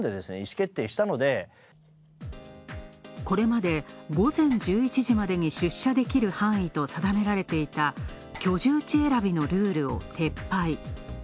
これまで午前１１時までに出社できる範囲と定められていた、居住地選びのルールを撤廃。